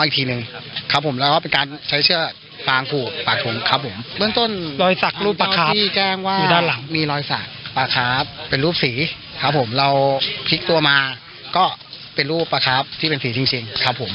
ใช่ครับก็คุมน้อยอีกทีนึง